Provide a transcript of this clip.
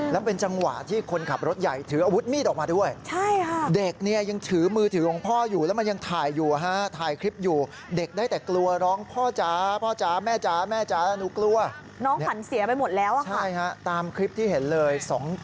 แล้วเป็นจังหวะที่คนขับรถใหญ่ถืออาวุธมีดออกมาด้วย